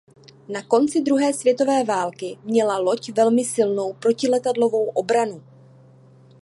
Na konci druhé světové války měla loď velmi silnou protiletadlovou obranu.